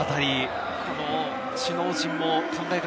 首脳陣も考え方